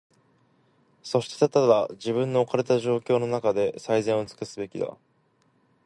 そしてただ、自分の置かれた状況のなかで、最善をつくすべきだ。